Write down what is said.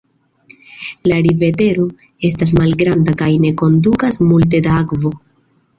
La rivereto estas malgranda kaj ne kondukas multe da akvo.